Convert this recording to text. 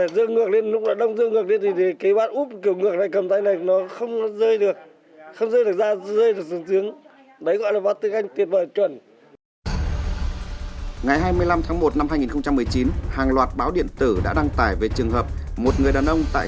dơ ngược lên lúc đó đông dơ ngược lên thì cái bát úp kiểu ngược này cầm tay này nó không rơi được